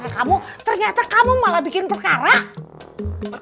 kau suara selalu mencintai istri kamu